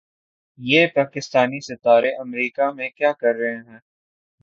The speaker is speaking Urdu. یہ پاکستانی ستارے امریکا میں کیا کررہے ہیں